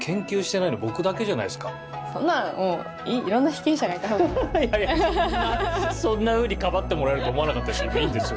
そんなそんなふうにかばってもらえると思わなかったしいいんですよ